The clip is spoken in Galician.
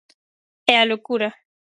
É a loucura.